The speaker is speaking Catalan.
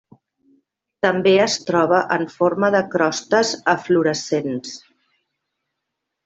També es troba en forma de crostes eflorescents.